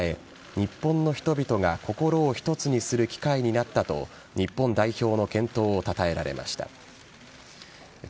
日本の人々が心を一つにする機会になったと日本代表の健闘をたたえられました。